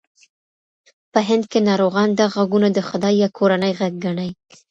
په هند کې ناروغان دا غږونه د خدای یا کورنۍ غږ ګڼي.